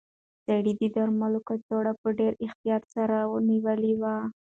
سړي د درملو کڅوړه په ډېر احتیاط سره نیولې وه.